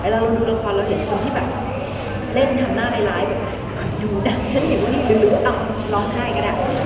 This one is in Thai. เราดูละครเราเห็นคนที่แบบเล่นทำหน้าร้ายแบบดูดังฉันอยู่นี่หรือว่าร้องไห้ก็ได้